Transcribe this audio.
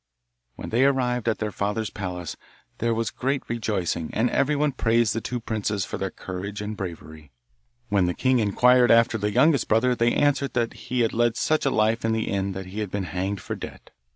When they arrived at their father's palace there was great rejoicing, and everyone praised the two princes for their courage and bravery. When the king inquired after the youngest brother they answered that he had led such a life in the inn that he had been hanged for debt.